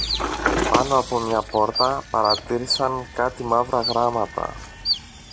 Πάνω από μια πόρτα παρατήρησαν κάτι μαύρα γράμματα.